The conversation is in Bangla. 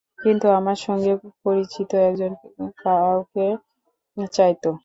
কিন্তু আমার সঙ্গে পরিচিত একজন কাউকে চাই তো।